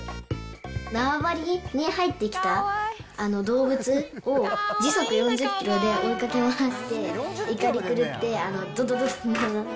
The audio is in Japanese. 縄張りに入ってきた動物を、時速４０キロで追いかけまわして、怒り狂って、どどどって。